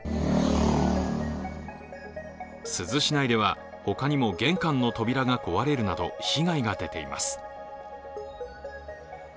珠洲市内では他にも玄関の扉が壊れるなど被害が出ています。